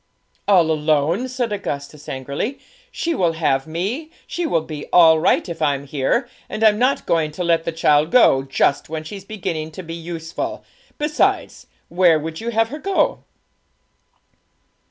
'All alone?' said Augustus angrily; 'she will have me, she will be all right if I'm here; and I'm not going to let the child go, just when she's beginning to be useful. Besides, where would you have her go?'